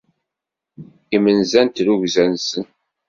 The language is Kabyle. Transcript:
Imenza n tirrugza-nsen.